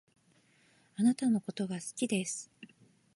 あなたのことが好きです